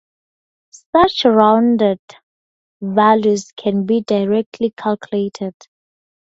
Such "rounded" values can be directly calculated.